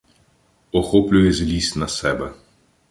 Охоплює злість на себе.